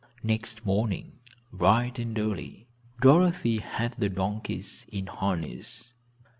Next morning, bright and early, Dorothy had the donkeys in harness.